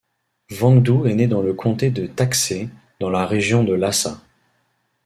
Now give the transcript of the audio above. Wangdu est né dans le Comté de Taktse, dans la région de Lhassa.